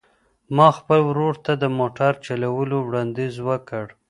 ما خپل ورور ته د موټر د چلولو وړاندیز وکړ.